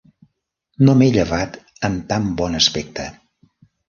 No m'he llevat amb tan bon aspecte.